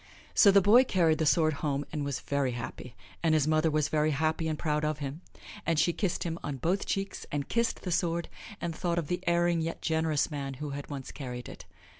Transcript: So the boy carried the sword home and was very happy, and his mother was very happy and proud of him, and she kissed him on both cheeks and kissed the sword and thought of the erring, yet generous man who once had carried it.